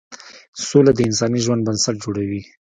سوله د انساني ژوند بنسټ جوړوي.